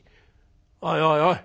おいおいおい